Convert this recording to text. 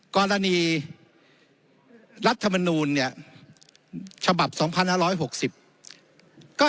กรณีรัฐธมนูนเนี้ยฉบับสองพันห้าร้อยหกสิบก็